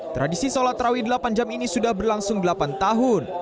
tradisi sholat terawih delapan jam ini sudah berlangsung delapan tahun